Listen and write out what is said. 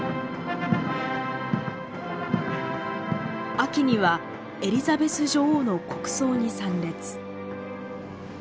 秋にはエリザベス女王の国葬に参列。